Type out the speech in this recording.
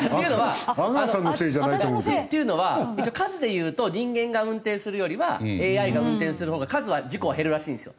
阿川さんのせいじゃない。というのは数でいうと人間が運転するよりはＡＩが運転するほうが数は事故は減るらしいんですよ。